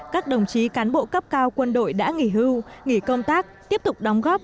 các đồng chí cán bộ cấp cao quân đội đã nghỉ hưu nghỉ công tác tiếp tục đóng góp